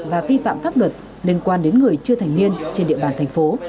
và vi phạm pháp luật liên quan đến người chưa thành niên trên địa bàn thành phố